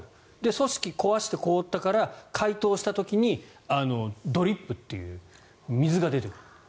組織を壊して凍ったから解凍した時にドリップという水が出てくる。